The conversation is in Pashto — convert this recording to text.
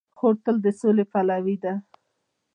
خور تل د سولې پلوي ده.